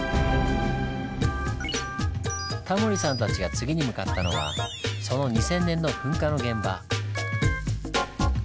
タモリさんたちが次に向かったのはその２０００年の噴火の現場。